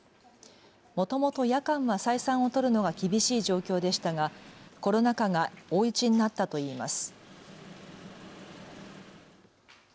もともと夜間は採算を取るのが厳しい状況でしたがコロナ禍が追い打ちになったといいます。